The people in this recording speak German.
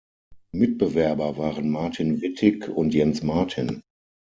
Mitbewerber waren Martin Wittig und Jens Martin.